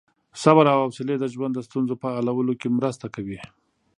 صبر او حوصلې د ژوند د ستونزو په حلولو کې مرسته کوي.